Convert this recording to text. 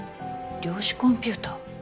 量子コンピュータ？